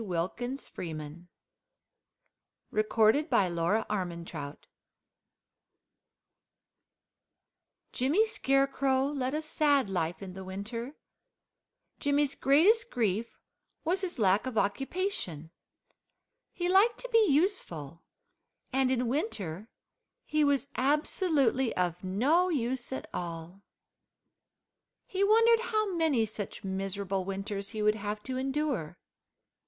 WILKINS FREEMAN Jimmy Scarecrow led a sad life in the winter. Jimmy's greatest grief was his lack of occupation. He liked to be useful, and in winter he was absolutely of no use at all. He wondered how many such miserable winters he would have to endure.